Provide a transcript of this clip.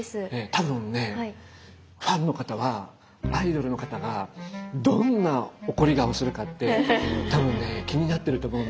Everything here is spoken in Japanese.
多分ねファンの方はアイドルの方がどんな怒り顔するかって多分ね気になってると思うんですよ。